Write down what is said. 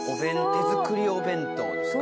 手作りお弁当ですか？